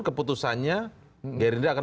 keputusannya gerinda akan